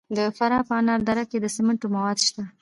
د فراه په انار دره کې د سمنټو مواد شته.